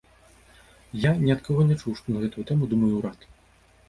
І я ні ад каго не чуў, што на гэтую тэму думае ўрад.